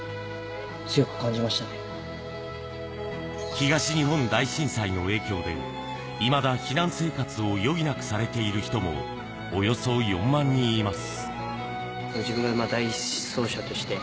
東日本大震災の影響で、いまだ避難生活を余儀なくされている人もおよそ４万人います。